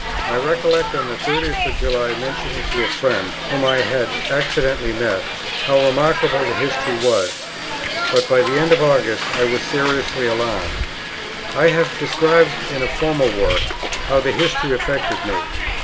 I recollect on the 30th of July mentioning to a friend, whom I had accidentally met, how remarkable the history was; but by the end of August I was seriously alarmed. I have described in a former work, how the history affected me.